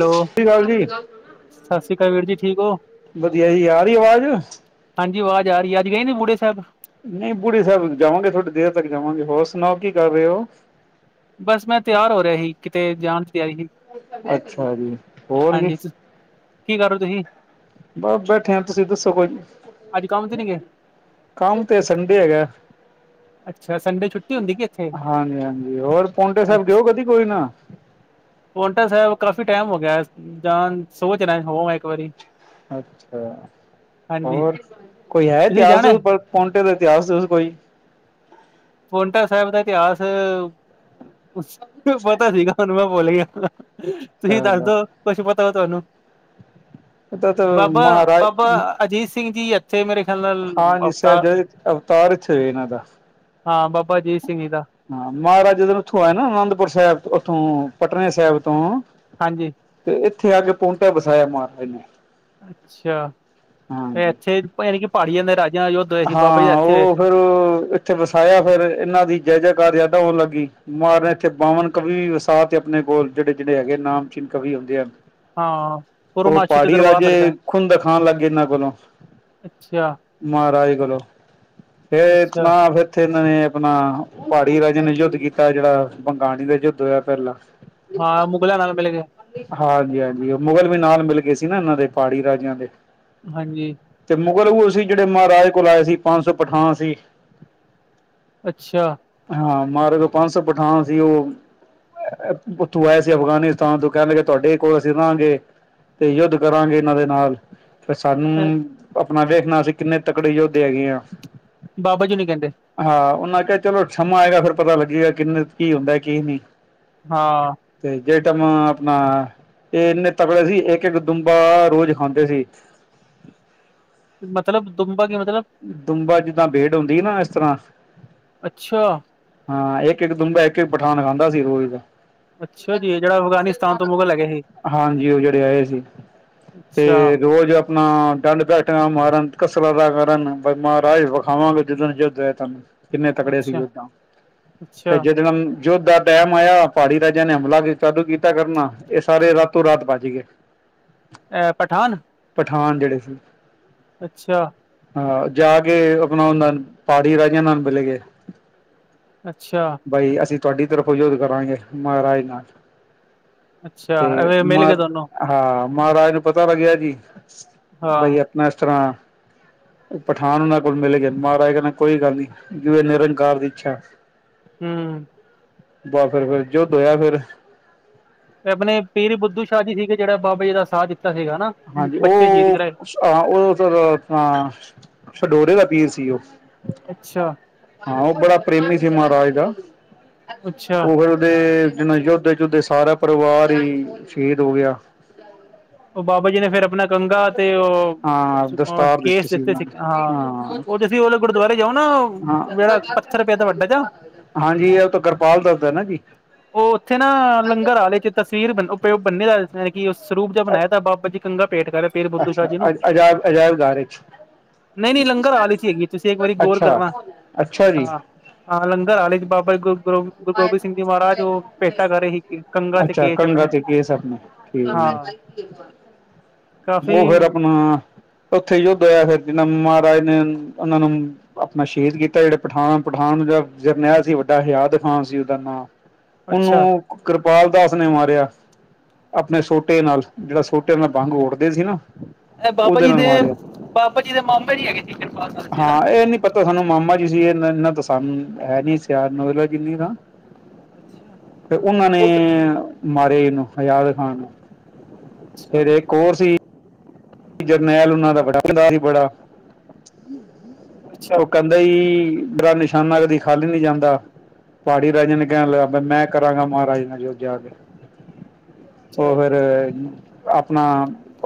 ਸਤਿ ਸ਼੍ਰੀ ਅਕਾਲ ਜੀ। ਸਤਿ ਸ੍ਰੀ ਅਕਾਲ ਵੀਰ ਜੀ ਠੀਕ ਹੋ? ਵਧੀਆ ਜੀ ਯ ਰਹੀ ਆਵਾਜ਼। ਹਾਂਜੀ ਆਵਾਜ਼ ਆ ਰਹੀ ਅੱਜ ਗਏ ਨੇ ਬੂੜੀਆ ਸਾਹਿਬ ਨਹੀਂ ਬੁੜੀਏ ਸਾਹਿਬ ਜਾਵਾਂਗੇ ਥੋੜ੍ਹੀ ਦੇਰ ਤੱਕ ਜਾਵਾਂਗੇ ਹੋਰ ਸੁਣਾਓ ਕੀ ਕਰ ਰਹੇ ਹੋ? ਬਸ ਮੈਂ ਤਿਆਰ ਹੋ ਰਿਹਾ ਸੀ ਕਿਤੇ ਜਾਣ ਦੀ ਤਿਆਰੀ ਸੀ। ਅੱਛਾ ਜੀ ਹੋਰ ਵੀ। ਹਾਂਜੀ ਕੀ ਕਰੋ ਤੁਸੀਂ ਬਸ ਬੈਠੇ ਆ ਤੁਸੀਂ ਦੱਸੋ ਕੋਈ ਅੱਜ ਕੰਮ ਤੇ ਨੀ ਗਏ, ਕੰਮ ਤੇ ਸੰਡੇ ਹੈਗਾ। ਅੱਛਾ ਸੰਡੇ ਛੁੱਟੀ ਹੁੰਦੀ ਕਿ ਇੱਥੇ? [unintelligible] ਹਾਂਜੀ ਹਾਂਜੀ ਹੋਰ ਪੋਂਟੇ ਸਾਹਿਬ ਗੇਓ ਕਦੀ ਕੋਈ ਨਾ। ਪੋਟਾ ਸਾਹਿਬ ਕਾਫੀ ਟਾਈਮ ਹੋ ਗਿਆ ਜਾਂ ਸੋ ਚ ਹੋਵ ਇੱਕ ਵਾਰੀ। ਅੱਛਾ ਹਾਂਜੀ ਹੋਰ ਕੋਈ ਹੈ ਤੁਸੀਂ ਇਤਿਹਾਸ। ਜਾਣਾ? ਪਂਟੇ ਦਾ ਇਤਿਹਾਸ ਦ ਕੋਈ ਪੋਂਟਾ ਸਾਹਿਬ ਦਾ ਇਤਿਹਾਸ ਪਤਾ ਸੀਗਾ ਹਨੂੰ ਮੈਂ ਭੁੱਲ ਗਿਆ। ਤੁਸੀਂ ਚਲੋ ਦੱਸਦੋ ਕੁਛ ਪਤਾ ਹੋ ਤੁਹਾਨੂੰ। ਤਾਂ ਤਾਂ ਬਾਬਾ ਮਹਾਰਾਜ ਬਾਬਾ ਅਜੀਤ ਸਿੰਘ ਜੀ। ਇੱਥੇ ਮੇਰੇ ਖਿਆਲ ਨਾਲ ਹਾਂਜੀ ਅਵਤਾਰ ਸਾਹਿਬਜ਼ਾ ਅਵਤਾਰ ਇਥੇ ਹੋਏ ਇਹਨਾਂ ਦਾ। ਹਾਂ ਬਾਬਾ ਅਜੀਤ ਸਿੰਘ ਜੀ ਦਾ। ਹਾਂ ਮਹਾਰਾਜਾ ਜਦੋਂ ਉੱਥੋਂ ਆਇਆ ਨਾ ਅਨੰਦਪੁਰ ਸਾਹਿਬ ਉੱਥੋਂ ਪਟਨ ਸਾਹਿਬ ਤੋਂ। ਹਾਂਜੀ, ਤੇ ਇੱਥੇ ਅ ਕੇ ਪੌਟਾ ਵਸਾਇਆ ਮਹਾਰਾਜ ਨੇ ਅੱਛਾ ਤੇ ਹਾਂਜੀ। ਇੱਥੇ ਯਾਨੀ ਕਿ ਪਹਾੜੀਆਂ ਦੇ ਰਾਜਿਆਂ ਯ। ਹਾਂ ਉਹ ਫੇਿਰ ਇੱਥੇ ਵਸਾਇਆ ਫੇਿਰ ਇਹਨਾਂ ਦੀ ਜੈ ਜੈਕਾਰ ਯਾਦਾਂ ਹੋਣ ਲੱਗਗੀਈ। ਮਾਰਨ ਇੱਥੇ ਬਾਵਨ ਕਵੀ ਵਸਾ ਤੇ ਆਪਣੇ ਕੋਲ ਜਿਹੜੇ ਜਿਹੜੇ ਹੈਗੇ ਨਾਮ ਚੀਨ ਕਵੀ ਹੁੰਦੇ ਹਨ। ਹਾਂ ਉਹ ਪੁਰਮਾਸ਼ੀ ਤੇ ਪਹਾੜੀ ਦਰਬਾਰ ਲੱਗਦਾ ਰਾਜੇ ਖੁਨਦਕ ਖਾਣ ਲੱਗਗੇਏ ਇਹਨਾਂ ਕੋਲੋਂ। ਅੱਛਾ ਈ ਗਲ ਫ ਅੱਛਾ ਨਾੇ [unintelligible] ਉੱਥੇ ਇਹਨਾਂ ਨੇ ਆਪਣਾ ਪਹਾੜੀ ਰਾਜਿਆਂ ਨੇ ਯੁੱਧ ਕੀਤਾ ਜਿਹੜਾ ਬੰਗਾਣੀੀ ਦਾ ਯੁੱਧ ਹੋਇਆ ਪਹਿਲਾਂ। ਹਾਂ ਮੁਗਲਾ ਨਾਲ ਪਹਿਲੇ ਹਾਂਜੀ ਹਾਂਜੀ ਉਹ ਮੁਗਲ ਵੀ ਨਾਲ ਮਿਲ ਗਏ ਸੀ ਨਾ ਇਹਨਾਂ ਦੇ ਪਹਾੜੀ ਰਾਜਿਆਂ ਦੇ ਹਾਂਜੀ ਤੇ ਮੁਗਲ ਉਹ ਸੀ ਜਿਹੜੇ ਮਹਾਰਾਜੇ ਕੋਲ ਆਏ ਸੀ ਪੰਜ ਸੌ ਪਠਾਂਨ ਸੀ। ਅੱਛਾ ਹਾਂ ਮਾਰੇ ਤੋਂ ਪੰਜ ਸੌ ਪਠਾ ਨ ਸੀ ਉਹ ਉੱਥੋਂ ਆਏ ਸੀ ਅਫਗਾਨਿਸਤਾਨ ਤੋਂ ਕਹਿਣ ਲੱਗੇ ਤੁਹਾਡੇ ਕੋਲ ਅਸੀਂ ਰਹਾਂਗੇ। ਤੇ ਯੁੱਧ ਕਰਾਂਗੇ ਇਹਨਾਂ ਦੇ ਨਾਲ ਫ ਸਾਨੂੰ ਆਪਣਾ ਵੇਖਣਾ ਅਸੀਂ ਕਿੰਨੇ ਤਕੜੇ ਯੋਦੇ ਹੈਗੇ ਆ। ਬਾਬਾ ਜੀ ਨੀ ਕਹਿੰਦੇ ਹਾਂ ਉਹਨਾਂ ਕਿਹਾ ਚਲੋ ਸਮਾਂ ਆਏਗਾ ਫਿਰ ਪਤਾ ਲੱਗੇਗਾ ਕਿੰਨੇ ਕੀ ਹੁੰਦਾ ਕੀ ਨਹੀਂ। ਹਾਂ ਤੇ ਜੇ ਟਾਈਮ ਆਪਣਾ। ਇਹ ਇੰਨੇ ਤਕੜੇ ਸੀ ਇੱਕ ਇੱਕ ਦੁੰਬਾ ਰੋਜ਼ ਖਾਂਦੇ ਸੀ। ਮਤਲਬ ਦੁਬਾ ਕੇ ਮਤਲਬ। ਦੂੰਬ ਜਿੱਦਾਂ ਬੇਟ ਹੁੰਦੀ ਨਾ ਇਸ ਤਰ੍ਹਾਂ। ਅੱਛਾ ਹਾਂ ਇੱਕ ਇੱਕ ਦੁੰਬਾ ਇੱਕ ਇੱਕ ਪਠਾਨ ਖਾਂਦਾ ਸੀ ਰੋਜ਼ ਦਾ। ਅੱਛਾ ਜੀ ਜਿਹੜਾ ਅਫਗਾਨਿਸਤਾਨ ਤੋਂ ਮੁਗਲ ਹੈਗੇ ਸੀ ਹਾਂਜੀ ਉਹ ਜਿਹੜੇ ਆਏ ਸੀ। ਤੇ ਅੱਛਾ ਰੋਜ਼ ਆਪਣਾ ਡੰਡ ਬੈਟਣਾ ਮਾਰਨ ਕਸਰਤਾ ਦਾ ਕਰਨ। ਮਹਾਰਾਜ ਵਿਖਾਵਾਂਗੇ ਜਿੱਦਣ ਨੂੰ ਜਿੱਦ ਤੈਨੂੰ ਕਿੰਨੇ ਤਕੜੇ ਸੀ ਅੱਛਾ ਯੁੱਧਾਂ ਅੱਛਾ ਫ ਜਿਦਣ ਯੁੱਧ ਟਾਈਮ ਆਇਆ ਪਹਾੜੀ ਰਾਜਿਆਂ ਨੇ ਹਮਲਾ ਕਦੂ ਕੀਤਾ ਕਰਨਾ ਇਹ ਸਾਰੇ ਰਾਤੋਂ ਰਾਤ ਬੱਜ ਗਏ। ਪਠਾਨ ਪਠਾਨ ਜਿਹੜੇ ਸੀ। ਅੱਛਾ ਹਾਂ ਜਾ ਕੇ ਆਪਣਾ ਉਹ ਪਹਾੜੀ ਰਾਜਿਆਂ ਨਾਲ ਮਿਲੇ ਕੇ। ਅੱਛਾ ਬਾਈ ਅਸੀਂ ਤੁਹਾਡੀ ਤਰਫੋਫ ਯੋਧ ਕਰਾਂਗੇ ਮਹਾਰਾਜ ਨਾਲ। ਅੱਛਾ ਤੇ ਐਵੇਂ ਮ ਮਿਲ ਗਏ ਦੋਨੋ ਹਾਂ ਮਹਾਰਾਜ ਨੂੰ ਪਤਾ ਲੱਗਿਆ ਜੀ। ਹਾਂ ਬਾਈ ਆਪਣਾ ਇਸ ਤਰ੍ਹਾਂ। ਪਠਾਨ ਉਹਨਾਂ ਕੋਲ ਮਿਲ ਗਿਆਏ ਮਹਾਰਾਜ ਕਹਿੰਣਾ ਕੋਈ ਗੱਲ ਨੀ ਜਿ ਇਹ ਨਿਰੰਕਾਰ ਦੀ ਇੱਛਾ ਹਮ ਵਾਹ ਫਿਰ ਫਿਰ ਜੋੁਧ ਹੋਇਆ ਫਿਰ। ਤੇ ਆਪਣੇ ਪੀਰ ਬੁੱਧੂ ਸ਼ਾਹ ਜੀ ਸੀਗੇ ਜਿਹੜਾ ਬਾਬਾ ਜੀ ਦਾ ਸਾਾਥ ਦਿੱਤਾ ਸੀਗਾ ਹਨਾ। ਹਾਂਜੀ ਉਹ ਹਹ ਉਹ ਸ਼ਡੋਰੇ ਦਾ ਪੀਰ ਸੀ ਉਹ। ਅੱਛਾ ਹਾਂ ਉਹ ਬੜਾ ਪ੍ਰੇਮੀ ਸੀ ਮਹਾਰਾਜ ਦਾ ਅੱਛਾ ਉਹ ਫਿਰ ਜਿਨ ਯੋਧੇ ਯੁਧੇ ਸਾਰਾ ਪਰਿਵਾਰ ਹੀ ਸ਼ਹੀਦ ਹੋ ਗਿਆ। ਉਹ ਬਾਬਾ ਜੀ ਨੇ ਫੇਿਰ ਆਪਣਾ। ਗੰਗਾ ਤੇ ਉਹ ਹਾਂ ਦਸਤਾਰ ਦਿੱਤੀ ਕੇਸ ਸੀ ਦਿੱਤੇ ਉਹਨਾਂ ਨੇ ਹਾਂ ਉਹ ਤੁ ਤੁਸੀਂ ਗੁਰਦੁਆਰੇ ਜਾਓ ਨਾ ਹਾਂ ਜਿਹੜਾ ਪੱਥਰ ਪਿਆ ਦਾ ਵੱਡਾ ਜਾ ਹਾਂਜੀ ਇਹ ਉਹ ਤਾਂ ਕਿਰਪਾਲ ਦੱਸਦਾ ਨਾ ਜੀ ਉਹ ਉੱਥੇ ਨਾ ਲੰਗਰ ਆੇ ਚ ਤਸਵੀਰ ਬ ਉਪ ਬਨੇ ਕਿ ਸਰੂਪ ਜਿਹਾ ਬਣਾਇਆ ਬਾਬਾ ਜੀ ਕੰਗਾ ਭੇਟ ਕਰ। ਪੀਰ ਬੁੱਧੂ ਸ਼ਾਹ ਅੱਛਾ ਜੀ ਨੂੰ ਅ ਅਜਾਇਬ ਅਜਾਇਬਘਾਰ ਵਿੱਚ ਨਹੀਂ ਨਹੀਂ ਲੰਗਰ ਆਲੇ ਚ ਹੈਗੀ ਤੁਸੀਂ ਇੱਕ ਵਾਰੀ ਅੱਛਾ ਅੱਛਾ ਜੀ ਆ ਲੰਗਰ ਹਾਲੇ ਦੀ ਬਾਬਾ ਜੀ ਕੋ ਗੁਰ ਗੁਰੂ ਗੋਬਿੰਦ ਸਿੰਘ ਜੀ ਮਹਾਰਾਜ ਉਹ ਭੇਟਾ ਕਰ ਰਹੇ ਸੀ ਕੰਗਾ ਤੇ ਅੱਛਾ ਕੇ ਸ ਕੰਘਾ ਆਪਣੇ ਤੇ ਕੇਸ ਆਪਣੇ ਠੀਕ ਹਾਂ। ਹੈ। ਕਾਫ਼ੀ ਉਹ ਫੇਰ ਆਪਣਾ। ਉੱਥੇ ਯੁੱਧ ਹੋਇਆ ਫਿਰ ਜਿਨਾ ਮਹਾਰਾਜ ਨੇ ਉਹਨਾਂ ਨੂੰ ਆਪਣਾ ਸ਼ਹੀਦ ਕੀਤਾ ਜਿਹੜੇ ਪਠਾਨ ਪਠਾਨ ਨੂੰ ਜ ਜਰਨੈਲ ਸੀ ਵੱਡਾ ਹਜਾਦ। ਖਾਂ ਸੀ ਉਹਦਾ ਨਾਂ ਉਹਨੂੰ ਅੱਛਾ ਕਿਰਪਾਲ ਦਾਸ ਨੇ ਮਾਰਿਆ ਆਪਣੇ ਸੋਟੇ ਨਾਲ ਜਿਹੜਾ ਸੋਟੇ ਨਾਲ ਵੰਗ ੜਦੇ ਸੀ ਨਾ ਇਹ ਬਾਬਾ ਉਹਦੇ ਜੀ ਨਾਲ ਦੇ ਮਾਰਿਆ ਬਾਬਾ ਜੀ ਦੇ ਮਾਮੇ ਜੀ ਹੈਗੀ ਸੀ ਕਿਰਪਾਲਤਾ ਹਨਾ। ਪ ਤਾਂ ਸਾਨੂੰ ਮਾਮਾ ਜੀ ਸੀ ਇਹਨਾ ਤਾਂ ਸਾਨੂੰ ਹੈ ਨੀ ਸਿਆਨ ਨੂੰ। ਕਿੰਨੇ ਦਾ ਫ ਉਹਨਾਂ ਨੇ ਉਹ ਤਾਂ- ਮਾਰੇ ਇਹਨੂੰ ਹਜਾਦ ਖਾਨ ਨੂੰ ਫੇਰ ਇੱਕ ਕੋਰ ਸੀ। ਜਰਨੈਲ ਉਹਨਾਂ ਦਾ ਬੜਾ ਸੀ ਬੜਾ ਅੱਛਾ ਉਹ ਬਈ ਬੜਾ ਨਿਸ਼ਾਨਾ ਕਦੀ ਖਾਲ ਨੀ ਜਾਂਦਾ ਪਹਾੜੀ ਰਾਜੇ ਨੇ ਕਹਿਣ ਲੱਗਾ ਮੈਂ ਕਰਾਂਗਾ ਮਹਾਰਾਜੇ ਨਾਲ ਜ ਜਾ ਕੇ ਉਹ ਫਿਰ ਆਪਣਾ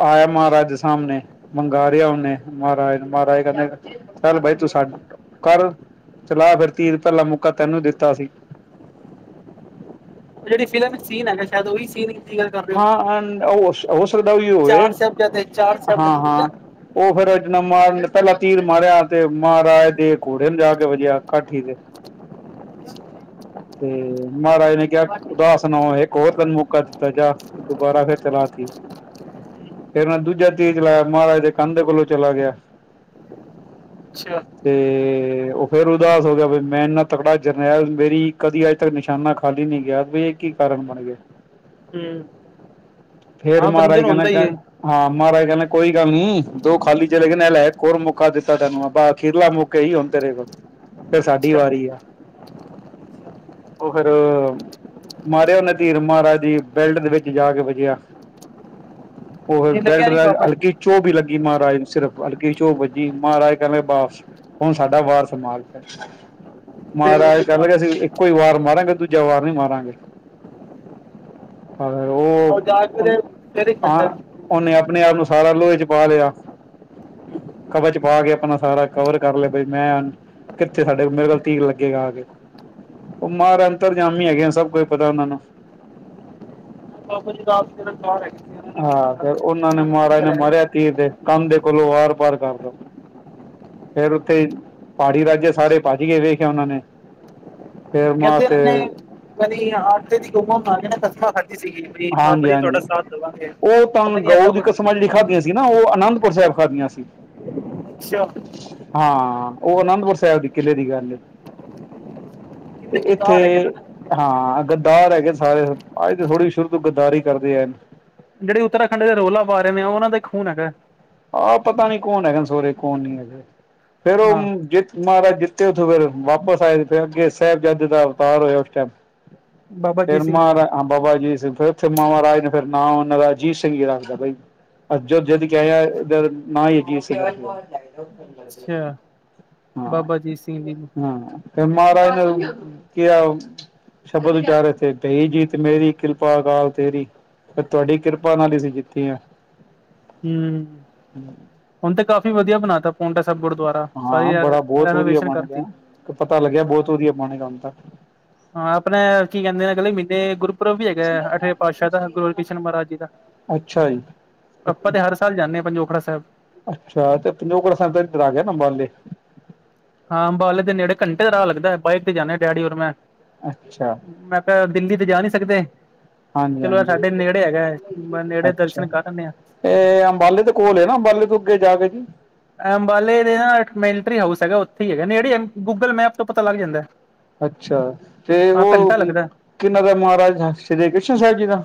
ਆਇਆ ਮਹਾਰਾਜ। ਸਾਹਮਣੇ ਮੰਗ ਰਿਿਆ ਉਹਨੇ ਮਹਾਰਾਜ ਨੂੰ ਮਹਾਰਾਜ ਕਹਿੰਦੇ ਚਲ ਬਾਈ ਤੂੰ ਸਾ ਕਰ ਚਲਾ ਫਿਰ ਤੀ ਰ ਪਹਿਲਾ ਮੌਕਾ ਤੈਨੂੰ ਦਿੱਤਾ ਸੀ। ਜਿਹੜੀ ਫਿਲਮ ਚ ਸੀਨ ਹੈਗਾ ਸ਼ਾਇਦ ਉਹੀ ਸੀਨ। ਦੀ ਗੱਲ ਕਰ ਰਹੇ ਹੋ ਹਾਂ ਹੋ ਸਕਦਾ ਉਹ ਹੋਵੇ ਚਾਰ ਸਾਹਿਬਜ਼ਾਦੇ ਚਾਰ ਹਾਂ ਸਾਹਿਬਜ਼ਾਦੇ ਠੀਕ ਆ ਹਾਂ। ਉਹ ਫੇਿਰ ਜ ਮਾਰਨ ਪਹਿਲਾਂ ਤੀਰ ਮਾਰਿਆ ਤੇ ਮਹਾਰਾਜ ਦੇ ਘੋੜੇ ਨੂੰ ਜਾ ਕੇ ਵਜਿਆ ਕਾਠੀ ਤੇ ਤੇ ਮਹਾਰਾਜ ਨੇ ਕਿਹਾ ਉਦਾਸਨ ਇੱਕ ਹੋਰ ਤੈਨੂੰ ਮੌਕਾ ਦਿੱਤਾ ਜਾ ਦੁਬਾਰਾ ਫਿਰ ਚਲਾ ਤੀਰ। ਫਿਰ ਦੂਜਾ ਤੇੀਰ ਚਲਾਾਇਆ ਮਹਾਰਾਜ ਦੇ ਕੰਨ ਕੋਲੋਂ ਚਲਾ ਗਿਆ। ਅੱਛਾ ਤੇ ਉਹ ਫੇਰ ਉਦਾਸ ਹੋ ਗਿਆ ਬ ਮੈਂ ਇੰਨਾ ਤਕੜਾ ਜਰਨੈਲ ਮੇਰੀ ਕਦੀ ਆ ਤ ਨਿਸ਼ਾਨਾ ਖਾਲੀ ਨੀ ਗਿਆ ਬ ਇਹ ਕੀ ਕਾਰਨ ਬਣ ਗਿਆ। ਹਮ ਫੇਰ ਮਹਾਰਾਜ ਕਹਿਨ ਲੱਗੇ ਕ ਹੈ ਹਾਂ ਮਹਾਰਾਜ ਕਹਿੰਦੇ ਕੋਈ ਗੱਲ ਨੀ, ਦੋ ਖਾਲੀ ਚਲੇ ਗਏ ਨੇ, ਐ ਲੈ ਇੱਕ ਹੋਰ ਮੌਕਾ ਦਿੱਤਾ ਤੈਨੂੰ, ਬ ਅਖੀਰਲਾ ਮੌਕਾ ਕਈ ਹੁਨ ਤੇਰੇ ਕੋਲ, ਫਿਰ ਸਾਡੀ ਅੱਛਾ ਵਾਰੀ ਆ। ਓ ਫਿਰ ਮਾਰਿਆ ਓਨੇ ਤੀਰ ਮਹਾਰਾਜ ਦੀ ਬੈਲਟ ਦੇ ਵਿੱਚ ਜਾ ਕੇ ਵਾਜਿਆ। ਓ ਫਿਰ ਇਹ ਬੈਲਟ ਲੱਗਿਆ ਨਹੀਂ ਦਾ ਬਾਬਾ ਹਲਕੀ ਜੀ ਚੋਬ ਈ ਲੱਗੀ ਮਹਾਰਾਜ ਨੂੰ ਸਿਰਫ਼, ਹਲਕੀ ਜੀ ਚੋਬ ਵੱਜੀ ਮਹਾਰਾਜ ਕਹਿਣ ਲਗੇ ਬਸ ਹੁਨ ਸਾਡਾ ਵਾਰ ਸੰਭਾਲ ਫੇਰ। ਫਿਰ ਮਹਾਰਾਜ ਉਹਦੇ ਕਹਿਨ ਲੱਗੇ ਬਾਅਦ ਅਸੀਂ ਇੱਕੋ ਈ ਵਾਰ ਮਾਰਾਂਗੇ, ਦੂਜਾ ਵਾਰ ਨੀ ਮਾਰਾਂਗੇ। [unintelligible] ਹੁਨ ਫਿਰ ਇੱਕ ਆ ਬੰਦਾ ਓਨੇ ਅਪਨੇ ਆਪ ਨੂੰ ਸਾਰਾ ਲੋਹੇ 'ਚ ਪਾ ਲਿਆ। ਕਵਚ ਪਾ ਕੇ ਆਪਣਾ ਸਾਰਾ ਕਵਰ ਕਰ ਲਿਆ ਬਈ ਮੈਂ ਹੁਨ ਕਿੱਥੇ ਸਾਡੇ ਮੇਰੇ ਵੱਲ ਤੀਰ ਲੱਗੇਗਾ ਆ ਕੇ। ਓ ਮਹਾਰਾਜ ਅੰਤਰਜਾਮੀ ਹੈਗੇ ਨ ਸਭ ਕੁਝ ਪਤਾ ਓਨਾਂ ਨੂੰ। ਬਾਬਾ ਜੀ ਰਾਤ [unintelligible] ਹਾਂ ਫਿਰ ਓਨਾਂ ਨੇ ਮਹਾਰਾਜ ਨੇ ਰਹੇ ਮਾਰਿਆ ਤੀਰ ਦੇ ਕੰਧ ਦੇ ਕੋਲੋਂ ਆਰ ਪਾਰ ਕਰਤਾ। ਫੇਰ ਉਥੇ ਪਹਾੜੀ ਰਾਜੇ ਸਾਰੇ ਭੱਜ ਗਏ ਵੇਖਿਆ ਓਨਾਂ ਨੇ। ਫੇਰ ਮਾਂ ਕਹਿੰਦੇ ਤੇ ਏਨਾਂ ਨੇ ਪਤਾ ਨਹੀਂ ਆਟੇ ਦੀ ਗਊਆਂ ਬਨਾ ਕੇ ਨਾ ਕਸਮਾਂ ਖਾਦੀ ਸੀਗੀ। ਵੀ ਬਾਬਾ ਜੀ ਹਾਂਜੀ-ਹਾਂਜੀ, ਤੁਹਾਡਾ ਸਾਥ ਦੇਵਾਂਗੇ ਓ ਤਾਂ ਪਤਾ ਨਹੀਂ ਗਊ ਐਦਾਂ ਦੀ ਕੁਝ ਕਿਸਮਾਂ ਜੇੜੀ ਖਾਧੀਆਂ ਸੀ। ਸੀ ਨਾ ਓ ਅਨੰਦਪੁਰ ਸਾਹਿਬ ਖਾਦੀਆਂ ਸੀ। ਅੱਛਾ। ਹਾਂ ਓ ਅਨੰਦਪੁਰ ਸਾਹਿਬ ਦੀ ਕਿਲੇ ਦੀ ਗੱਲ ਏ। ਤੇ ਕਿੰਨੇ ਏਥੇ ਕਿਦਾਰ ਹੈਗੇ ਨਾ ਹਾਂ ਗੱਦਾਰ ਹੈਗੇ ਸਾਰੇ, ਅੱਜ ਦੇ ਥੋੜ੍ਹੀ ਸ਼ੁਰੂ ਤੋਂ ਗੱਦਾਰੀ ਕਰਦੇ ਐਨ। ਜੇੜੇ ਉਤਰਾਖੰਡ ਤੇ ਰੋਲਾ ਆ ਰਹੇ ਨੇ, ਓ ਓਨਾਂ ਦਾ ਈ ਖੂਨ ਹੈਗਾ। ਆਹ ਪਤਾ ਨੀ ਕੌਣ ਹੈਗੇਨ ਸੋਰੇ ਕੌਣ ਨੀ ਹੈਗੇ ਫੇਰ ਉਹ ਹਾਂ ਜਿੱਤ ਮਹਾਰਾਜ ਜਿੱਤੇ ਓਥੋਂ ਫਿਰ ਵਾਪਿਸ ਆਏ ਫੇਰ ਅੱਗੇ ਸਾਹਿਬਜ਼ਾਦੇ ਦਾ ਅਵਤਾਰ ਹੋਇਆ ਉਸ ਟਾਈਮ। ਬਾਬਾ ਜੀ ਫਿਰ ਸਿੰਘ ਮਾਰ ਹਾਂ ਬਾਬਾ ਅਜੀਤ ਸਿੰਘ, ਫਿਰ ਓਥੇ ਮਹਾਰਾਜ ਫਿਰ ਨਾਂ ਉਹਨਾਂ ਦਾ ਅਜੀਤ ਸਿੰਘ ਜੀ ਰੱਖਦਾ ਬਈ ਅੱਜ ਯੁੱਧ ਜਿੱਤ ਕੇ ਆਇਆ ਏਦਾਂ ਨਾਂ ਹੀ ਅਜੀਤ ਸਿੰਘ ਰੱਖ ਦੋ। ਅੱਛਾ ਹਾਂ, ਬਾਬਾ ਜੀ ਸਿੰਘ ਜੀ ਹਾਂ। ਫੇਰ ਮਹਾਰਾਜ ਨੇ ਕਯਾ ਸ਼ਬਦ ਉਚਾਰੇ ਏਥੇ ਭਈ ਜਿੱਤ ਮੇਰੀ ਕਿਰਪਾ ਅਕਾਲ ਤੇਰੀ। ਬਈ ਤੁਹਾਡੀ ਕਿਰਪਾ ਨਾਲ ਈ ਅਸੀਂ ਜਿੱਤੇ ਆਂ। ਹੂੰ। ਹੂੰ। ਹੁਨ ਤੇ ਕਾਫ਼ੀ ਵਧੀਆ ਬਨਾ ਤਾ। ਪੋਂਟਾ ਸਾਹਿਬ ਗੁਰਦੁਆਰਾ, ਹਾਂ ਸਾਰੀ ਰੈ ਬੜਾ ਬਹੁਤ ਵਧੀਆ ਰੈਨੋਵੇਸ਼ਨ ਬਣ ਗਿਆ। ਕਰਤੀ। ਪਤਾ ਲੱਗਿਆ ਬਹੁਤ ਹਾਂ ਵਧੀਆ ਬਣੇਗਾ ਹੁਣ ਤਾਂ। ਅਪਨੇ ਕੀ ਕਹਿੰਦੇ ਨੇ, ਅਗਲੇ ਮਹੀਨੇ ਗੁਰਪੁਰਬ ਵੀ ਹੈਗਾ ਅੱਠਵੇਂ ਪਾਤਸ਼ਾਹ ਦਾ, ਗੁਰ ਹਰਕ੍ਰਿਸ਼ਨ ਮਹਾਰਾਜ ਜੀ ਦਾ। ਅੱਛਾ ਜੀ। ਆਪਾਂ ਤੇ ਹਰ ਸਾਲ ਜਾਂਨੇ ਆਂ ਪੰਜੋਖੜਾ ਸਾਹਿਬ। ਅੱਛਾ ਤੇ ਪੰਜੋਕੜਾ ਸਾਹਿਬ ਤੇ ਏਧਰ ਆ ਗਿਆ ਨਾ ਅੰਬਾਲੇ। ਹਾਂ ਅੰਬਾਲੇ ਦੇ ਨੇੜੇ, ਘੰਟੇ ਦਾ ਰਾਹ ਲੱਗਦਾ, ਬਾਈਕ ਤੇ ਜਾਨੇ ਡੈਡੀ ਔਰ ਮੈਂ। ਅੱਛਾ। ਮੈਂ ਤਾਂ ਦਿੱਲੀ ਤੇ ਜਾ ਨੀ ਸਕਦੇ। ਹਾਂਜੀ ਚਲੋ ਐ ਹਾਂਜੀ। ਸਾਡੇ ਨੇੜੇ ਹੈਗਾ, ਨੇੜੇ ਦਰਸ਼ਨ ਕਰ ਆਨੇ ਆਂ। ਏ ਅੰਬਾਲੇ ਦੇ ਕੋਲ ਏ ਨਾ ਅੰਬਾਲੇ ਤੋਂ ਅੱਗੇ ਜਾ ਕੇ ਜੀ। ਐ ਅੰਬਾਲੇ ਦੇ ਨਾ ਇੱਕ ਮਿਲਟਰੀ ਹਾਊਸ ਹੈਗਾ ਓਥੇ ਹੀ ਹੈਗਾ, ਨੇੜੇ ਐ ਗੂਗਲ ਮੈਪ ਤੋਂ ਪਤਾ ਲੱਗ ਜਾਂਦਾ ਐ। ਅੱਛਾ ਤੇ ਓ ਲੱਗਦਾ ਕਿੰਨਾਂ ਦਾ ਮਹਾਰਾਜ ਸ੍ਰੀ ਕ੍ਰਿਸ਼ਨ ਸਾਹਿਬ ਜੀ ਦਾ?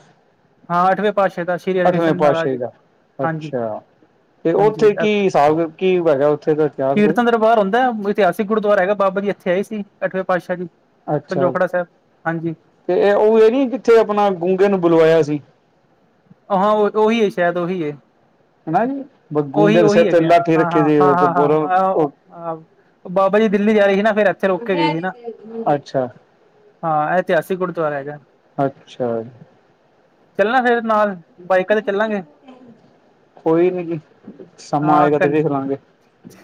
ਹਾਂ ਅੱਠਵੇਂ ਪਾਤਸ਼ਾਹ ਦਾ ਸ਼੍ਰੀ ਅੱਠਵੇਂ ਹਰਿਕ੍ਰਿਸ਼ਨ ਮਹਾਰਾਜ ਪਾਸਸ਼ਾਹੀ ਦਾ, ਹਾਂਜੀ ਅੱਛਾ। ਤੇ ਹਾਂਜੀ ਓਥੇ ਕੀ, ਹਿਸਾਬ ਕੀ ਹੈਗਾ, ਓਥੇ ਦਾ ਇਤਿਹਾਸ ਕੋਈ? ਇਤਿਹਾਸਕ ਗੁਰਦੁਆਰਾ ਹੈਗਾ ਬਾਬਾ ਜੀ ਇੱਥੇ ਆਏ ਸੀ, ਅੱਠਵੇਂ ਪਾਤਸ਼ਾਹ ਜੀ ਅੱਛਾ, ਪੰਜੋਖੜਾ ਸਾਹਿਬ ਹਾਂਜੀ ਤੇ ਉਹ ਇਹ ਨੀ ਜਿੱਥੇ ਆਪਣਾ ਗੂੰਗੇ ਨੂੰ ਬੁਲਵਾਇਆ ਸੀ। ਹਾਂ, ਉਹੀ ਸ਼ਾਇਦ ਉਹੀ ਏ ਹਨਾ ਜੀ ਉਹੀ ਗੂੰਗੇ ਦੇ ਉਹੀ ਸਿਰ ਤੇ ਹੈਗੇ ਹਾਂ, ਲਾਠੀ ਹਾਂ ਰੱਖੀ ਹਾਂ ਸੀ ਤੇ ਹਾਂ ਬੋਲੋ ਹਾਂ ਉਹ ਆਹ ਆਹ। ਬਾਬਾ ਜੀ ਦਿੱਲੀ ਜਾ ਰਹੇ ਸੀ ਨਾ, ਫਿਰ ਇੱਥੇ ਰੁਕ ਕੇ ਗਏ ਸੀ ਨਾ। ਅੱਛਾ ਹਾਂ ਇਤਿਹਾਸਕ ਗੁਰੂਦਵਾਰਾ ਹੈਗਾ। ਅੱਛਾ ਚੱਲਣਾ ਫੇਿਰ ਨਾਲ, ਬਾਈਕਾਂ ਤੇ ਚੱਲਾਂਗੇ। ਕੋਈ ਨੀ ਜੀ, ਸਮਾਂ ਆਏਗਾ ਤੇ ਵਖ ਲਾਂਗੇ।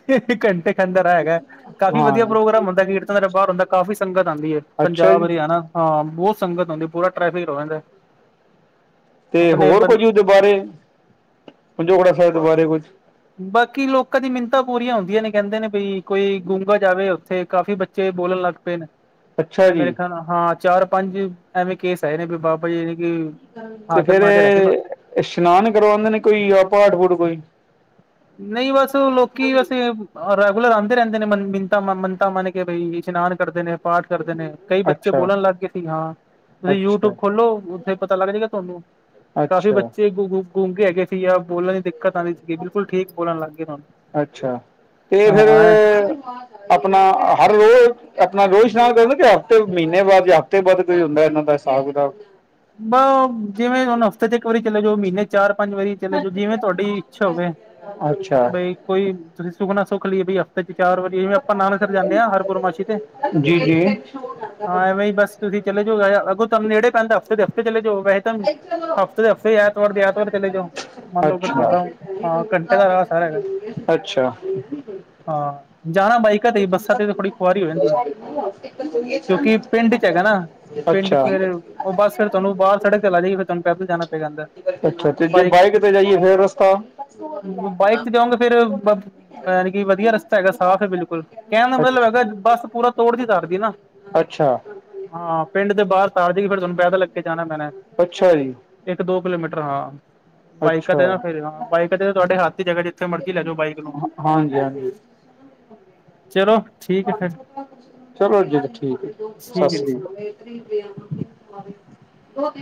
ਇਹ ਘੰਟੇ ਦਾ ਰਾਹ ਹੈਗਾ। ਕਾਫ਼ੀ ਵਧੀਆ ਹਾਂਜੀ ਪ੍ਰੋਗਰਾਮ ਹੁੰਦਾ, ਕੀਰਤਨ ਬਾਹਰ ਹੁੰਦਾ ਕਾਫ਼ੀ ਸੰਗਤ ਆਉਂਦੀ ਹੈਏ ਅੱਛਾ ਪੰਜਾਬ ਜੀ ਹਰਿਆਣਾ ਹਾਂ ਬਹੁਤ ਸੰਗਤ ਹੁੰਦੀ ਪੂਰਾ ਟ੍ਰੈਫਿਕ ਰੁਕ ਜਾਂਦਾ। ਅਤੇ ਹੋਰ ਕੁਝ ਉਹਦੇ ਬਾਰੇ, ਪੰਜੋਖੜਾ ਸਾਹਿਬ ਦੇ ਬਾਰੇ ਕੁਝ। ਬਾਕੀ ਲੋਕਾਂ ਦੀ ਮਿੰਨਤਾਂ ਪੂਰੀਆਂ ਹੁੰਦੀਆਂ ਨੇ ਕਹਿੰਦੇ ਨੇ ਬ ਕੋਈ ਗੂੰਗਾ ਜਾਵੇ। ਇੱਥੇ ਕਾਫ਼ੀ ਬੱਚੇ ਬੋਲਣ ਲੱਗ ਪਏ ਨੇ, ਅੱਛਾ ਮੇਰੇ ਜੀ ਖਿਆਲ ਹਾਂ। ਚਾਰ ਪੰਜ ਐਵੇਂ ਕੇਸ ਆਏ ਨੇ ਵੀ, ਬਾਬਾ ਜੀ ਨੇ ਕਿ ਤੇ ਹਾਜ਼ਰ ਫੇਰ ਨਾਜ਼ਰ ਹੈਗੇ। ਇਸ਼ਨਾਨ ਕਰਵਾਉਂਦੇ ਨੇ ਕੋਈ ਆ ਪਾਠ ਪੂਠ ਕੋਈ ਨਹੀਂ ਬਸ ਲੋਕੀ ਵੈਸੇ ਰੈਗੂਲਰ ਆਉਂਦੇ ਰਹਿੰਦੇ ਨੇ ਮਿਨਤਾ ਮਨਤਾ ਮਨ ਕੇ ਬਈ ਇਸ਼ਨਾਨ ਕਰਦੇ ਨੇ ਪਾਠ ਕਰਦੇ ਨੇ, ਕਈ ਬੱਚੇ ਅੱਛਾ ਬੋਲਣ ਲੱਗ ਗਏ ਸੀ ਹਾਂ। ਤੁਸੀਂ ਅੱਛਾ ਯੂਟਿਊਬ ਖੋਲੋ, ਉੱਥੇ ਪਤਾ ਲੱਗ ਜਾਏਗਾ ਤੁਹਾਨੂੰ ਕਾਫੀ ਅੱਛਾ ਬੱਚੇ ਗੂਗੂ ਗੂੰਗੇ ਹੈਗੇ ਸੀ, ਜਾਂ ਬੋਲਣ ਦੀ ਦਿੱਕਤ ਆਉਂਦੀ ਸੀਗੀ। ਬਿਲਕੁਲ ਠੀਕ ਬੋਲਣ ਲੱਗ ਗਏ ਹੁਣ ਅੱਛਾ ਤੇ ਫਿਰ ਹਾਂ ਆਪਣਾ ਹਰ ਰੋਜ਼ ਆਪਣਾ ਰੋਜ਼ ਇਸ਼ਨਾਨ, ਕਿ ਹਫ਼ਤੇ ਮਹੀਨੇ ਬਾਅਦ ਜਾਂ ਹਫ਼ਤੇ ਬਾਅਦ ਕੋਈ ਹੁੰਦਾ ਇਹਨਾਂ ਦਾ ਹਿਸਾਬ ਕਿਤਾਬ। ਬ ਜਿਵੇਂ ਹੁਣ ਹਫ਼ਤੇ ਚ ਇੱਕ ਵਾਰੀ ਚਲੇ ਜਾਓ ਮਹੀਨੇ ਚਾਰ ਪੰਜ ਵਾਰੀ। ਚਲੇ ਜੋ ਜਿਵੇਂ ਤੁਹਾਡੀ ਇੱਛਾ ਹੋਵੇ ਅੱਛਾ। ਬਈ। ਕੋਈ ਤੁਸੀਂ ਸੁਖ ਨਾ ਸੁੱਖ ਲਈਏ ਬਈ ਹਫ਼ਤੇ ਚਾਰ ਵਾਰੀ। ਜਿਵੇਂ ਆਪਾਂ ਨਾਨਸਰ ਜਾਂਦੇ ਹਾਂ ਹਰਪੁਰਨਮਾਸ਼ੀ ਤੇ, ਜੀ ਜੀ। ਹਾਂ ਐਵੇਂ ਹੀ ਬਸ। ਤੁਸੀਂ ਚਲੇ ਜਾਓ ਅਗੋਂ ਤੁਹਾਨੂੰ ਨੇੜੇ ਪੈਂਦਾ ਹਫ਼ਤੇ ਹਫ਼ਤੇ ਚਲੇ ਜਾਓ, ਵੈਸੇ ਤਾਂ ਹਫ਼ਤੇ ੇ ਐਤਵਾਰ ਦੇ ਐਤਵਾਰ ਚਲੇ ਜਾਓ। ਮੰਨ ਲਓ ਅਗਰ ਅਛਾ ਤੁਹਾਡਾ ਹਾਂ ਘੰਟੇ ਦਾ ਰਾਹ ਸਾਰਾ ਹੈਗਾ ਅੱਛਾ। ਹਾਂ ਜਾਣਾ ਬਾਈਕਾਂ ਤੇ ਬੱਸਾਂ ਤੇ ਥੋੜ੍ਹੀ ਖੁਆਰੀ ਹੋ ਜਾਂਹਦੀ ਹੈ ਕਿਉਂਕਿ ਪਿੰਡ ਚ ਹੈਗਾ ਨਾ। ਪਿੰਡ ਅੱਛਾ। ਚ ਫਿਰ ਉਹ ਬਸ ਫਿਰ ਤੁਹਾਨੂੰ ਬਾਹਰ ਸੜਕ ਤੇ ਲਾ ਦੇਗੀ, ਫਿਰ ਤੁਹਾਨੂੰ ਪੈਦਲ ਜਾਣਾ ਪਏਗਾ ਅੰਦਰ ਅੱਛਾ ਤੇ ਜੇ ਬਾਈਕ ਤੇ ਜਾਈਏ ਫੇਰ ਰਸਤਾ ਬਾਈਕ ਤੇ ਜਾਉਂਗੇ ਫੇਿਰ ਯਾਨੀ, ਕਿ ਵਧੀਆ ਰਸਤਾ ਹੈਗਾ ਸਾਫ ਹੈ ਬਿਲਕੁਲ। ਕਹਿਣ ਦਾ ਅੱਛ ਮਤਲਬ ਹੈਗਾ ਬੱਸ ਪੂਰਾ ਤੋੜਦੀ ਤਾਰਦੀ ਨਾ। ਅੱਛਾ। ਹਾਂ ਪਿੰਡ ਦੇ ਬਾਹਰ ਤਾਰ ਦੇ ਗੀ ਫੇਿਰ ਤੁਹਾਨੂੰ ਪੈਦਲ ਅਗੇ ਜਾਣਾ ਪੈਣਾ। ਅੱਛਾ ਜੀ। ਇੱਕ ਦੋ ਕਿਲੋਮੀਟਰ ਹਾਂ। ਬਾਈਕਾਂ ਅੱਛਾ। ਤੇ ਨਾ ਫਿਰ, ਬਾਈਕ ਤੇ ਤੁਹਾਡੇ ਹੱਥ ਜਗਾ ਜਿੱਥੇ ਮਰਜੀ ਲੈਜਓ ਬਾਈਕ ਨੂੰ। ਹਾਂਜੀ, ਹਾਂਜੀ। ਚਲੋ। ਠੀਕ ਹੈ ਫਿਰ ਚਲੋ, ਜਦ ਠੀਕ ਸਤਿ ਠੀਕ ਹੈ ਸ੍ਰੀ ਜੀ ਅਕਾਲ। ਬਹੁਤ।